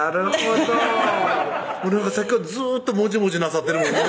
なるほどさっきからずーっともじもじなさってるもんね